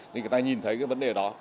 thì người ta nhìn thấy cái vấn đề đó